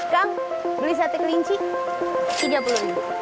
kau beli sate kelinci tiga puluh ribu